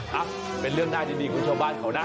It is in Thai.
ครับเป็นเรื่องหน้าดีคุณชาวบ้านเขานะ